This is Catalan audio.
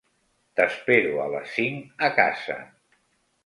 T'espero a les cinc a casa.